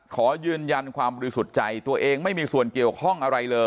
ขอยืนยันภัณฑ์ศุดใจตัวเองไม่มีส่วนเกี่ยวกับห้อง